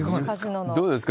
どうですか？